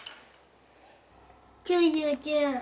９９。